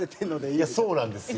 いやそうなんですよ。